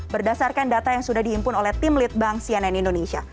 berdasarkan data yang sudah diimpun oleh tim lead bank cnn indonesia